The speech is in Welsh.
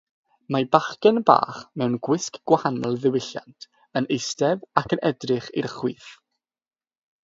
Mae bachgen bach mewn gwisg gwahanol ddiwylliant yn eistedd ac yn edrych i'w chwith.